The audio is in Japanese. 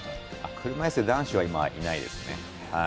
車いすの男子ではいないですね。